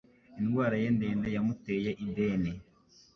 Indwara ye ndende yamuteye ideni.